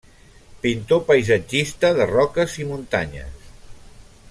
Pintor paisatgista de roques i muntanyes.